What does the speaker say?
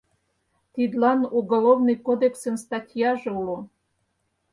Тидлан Уголовный Кодексын статьяже уло.